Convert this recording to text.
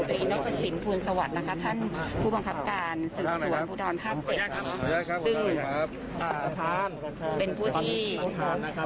ของพี่ระวังจะเข้าไปที่บรรเวณด้านหลังของบ้าง